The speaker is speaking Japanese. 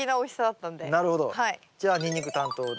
なるほどじゃあニンニク担当で。